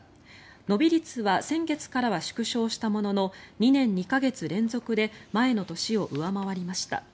伸び率は先月からは縮小したものの２年２か月連続で前の年を上回りました。